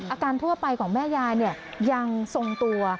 อาการทั่วไปของแม่ยายยังส่งตัว